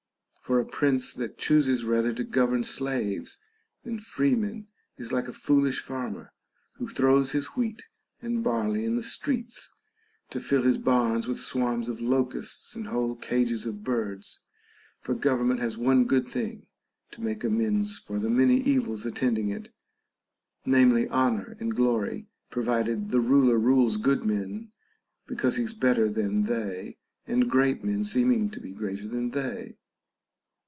For 6 THE BANQUET OF THE SEVEN WISE MEN. a prince that chooses rather to govern slaves than freemen is like a foolish farmer, who throws his wheat and barley in the streets, to fill his barns with swarms of locusts and whole cages of birds. For government has one good thing to make amends for the many evils attending it, namely, honor and glory, provided the ruler rules good men because he is better than they, and great men seem ing to be greater than they.